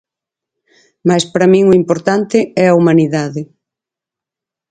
Mais para min o importante é a humanidade.